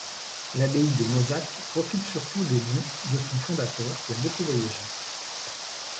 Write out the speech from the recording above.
L'abbaye de Mozac profite surtout des dons de son fondateur, qui a beaucoup voyagé.